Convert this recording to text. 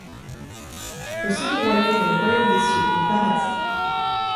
Le second royaume est le royaume des cieux, le Paradis.